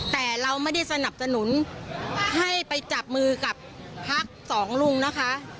แต่เราไม่ได้สนับสนุนให้ไปจับมือกับพักสองลุงนะคะ